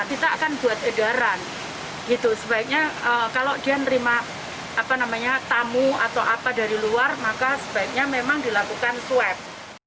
kita akan buat edaran gitu sebaiknya kalau dia nerima tamu atau apa dari luar maka sebaiknya memang dilakukan swab